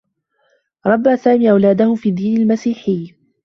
ربّى سامي أولاده في الدّين المسيحي.